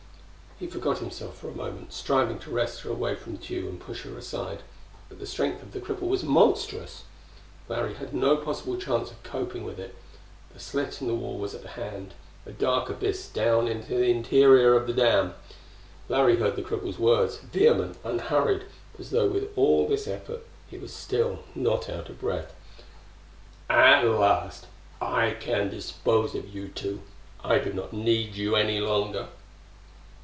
He forgot himself for a moment, striving to wrest her away from Tugh and push her aside. But the strength of the cripple was monstrous: Larry had no possible chance of coping with it. The slit in the wall was at hand a dark abyss down into the interior of the dam. Larry heard the cripple's words, vehement, unhurried, as though with all this effort he still was not out of breath: "At last I can dispose of you two. I do not need you any longer."